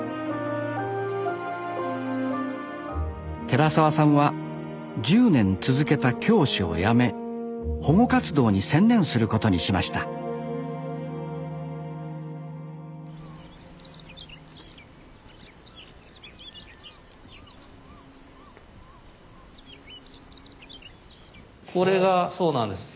寺沢さんは１０年続けた教師を辞め保護活動に専念することにしましたこれがそうなんです。